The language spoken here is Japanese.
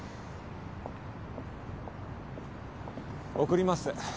送ります。